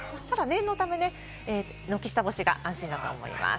ただ念のため軒下干しが安心だと思います。